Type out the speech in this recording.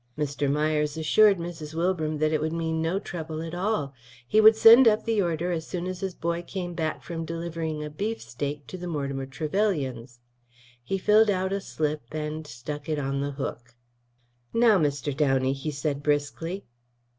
Mr. Myers assured Mrs. Wilbram that it would mean no trouble at all; he would send up the order as soon as his boy came back from delivering a beefsteak to the Mortimer Trevelyans. He filled out a slip and stuck it on the hook. "Now, Mr. Downey," he said briskly.